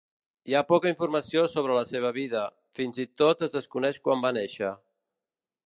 Hi ha poca informació sobre la seva vida; fins i tot es desconeix quan va néixer.